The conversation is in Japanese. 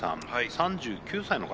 ３９歳の方。